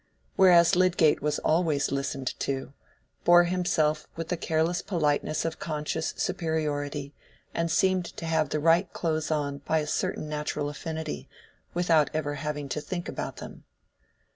Whereas Lydgate was always listened to, bore himself with the careless politeness of conscious superiority, and seemed to have the right clothes on by a certain natural affinity, without ever having to think about them.